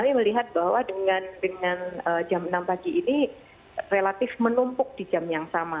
saya melihat bahwa dengan jam enam pagi ini relatif menumpuk di jam yang sama